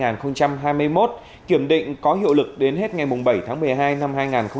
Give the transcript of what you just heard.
năm hai nghìn hai mươi một kiểm định có hiệu lực đến hết ngày bảy tháng một mươi hai năm hai nghìn hai mươi